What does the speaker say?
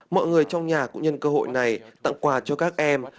mọi người trong nhà cũng nhân cơ hội này tặng quà cho các em